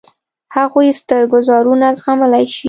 هغوی ستر ګوزارونه زغملای شي.